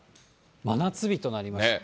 真夏日になりましたね。